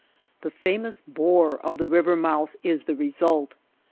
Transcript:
The famous ^^bore^' of the river mouth is the result.